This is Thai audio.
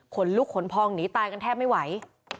ขนลุกขนพองหนีตายกันแทบไม่ไหว